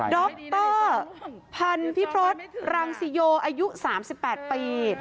ดรพันธิพฤษรังสิโยอายุ๓๘ปี